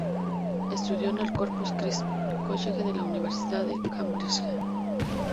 Estudió en el Corpus Christi College de la Universidad de Cambridge.